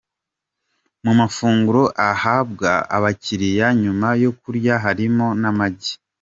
Mu mafunguro ahabwa abakiriya nyuma yo kurya harimo n'amagi.